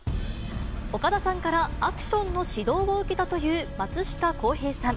岡田さんからアクションの指導を受けたという松下洸平さん。